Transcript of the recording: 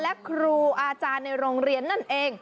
และครูอาจารย์ในโรงเรียนนั่นเอง